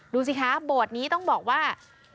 ดูสิคะโบสถ์นี้ต้องบอกว่า